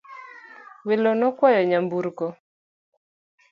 Welo nokwayo nyamburko